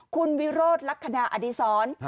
คุณวิโรธลักษณะอดีศร